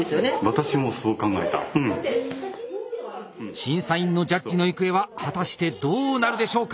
審査員のジャッジの行方は果たしてどうなるでしょうか？